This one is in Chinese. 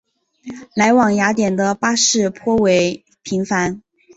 来往雅典的巴士颇为频繁。